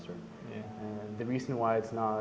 saya pikir di asia universitas hong kong menggunakan labster